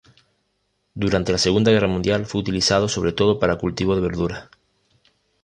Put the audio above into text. Durante la Segunda Guerra Mundial, fue utilizado sobre todo para cultivo de verduras.